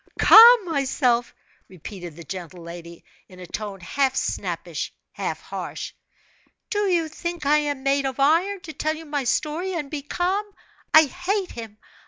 "Calm myself!" repeated the gentle lady, in a tone half snappish, half harsh, "do you think I am made of iron, to tell you my story and be calm? I hate him!